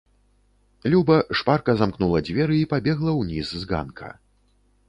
Люба шпарка замкнула дзверы і пабегла ўніз з ганка.